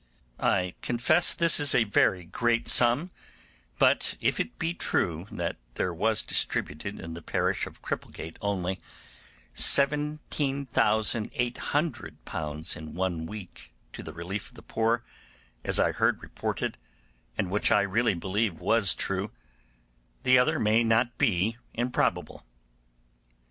I confess this is a very great sum; but if it be true that there was distributed in the parish of Cripplegate only, 17,800 in one week to the relief of the poor, as I heard reported, and which I really believe was true, the other may not be improbable.